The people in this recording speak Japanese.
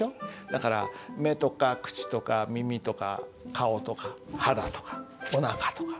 だから目とか口とか耳とか顔とか肌とかおなかとか。